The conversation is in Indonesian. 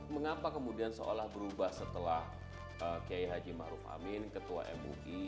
mengapa kemudian seolah berubah setelah kiai haji ma'ruf amin ketua mui